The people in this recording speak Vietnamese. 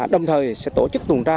đồng thời sẽ tổ chức tuần tra